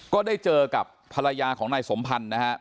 ก็ได้เจอกับภรรยาของนายสมพันธ์นะครับ